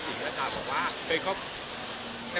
อย่างที่เราถามบอกว่าเฮ้ยเค้า